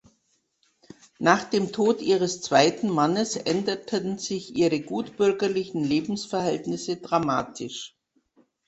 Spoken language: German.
Nach dem Tod ihres zweiten Mannes änderten sich ihre gutbürgerlichen Lebensverhältnisse dramatisch.